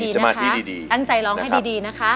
มีสมาธิดีอั้นใจร้องให้ดี